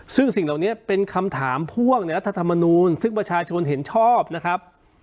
ซึ่งสิ่งเหล่านี้เป็นคำถามพ่วงในรัฐธรรมนูลซึ่งประชาชนเห็นชอบนะครับ